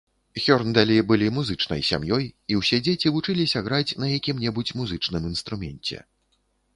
Хёрндалі былі музычнай сям'ёй, і ўсе дзеці вучыліся граць на якім-небудзь музычным інструменце.